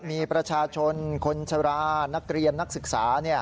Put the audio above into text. มีประชาชนคนชรานักเรียนนักศึกษา